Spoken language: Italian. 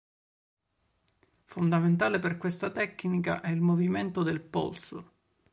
Fondamentale per questa tecnica è il movimento del polso.